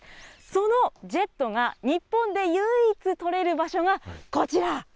そのジェットが日本で唯一採れる場所がこちら。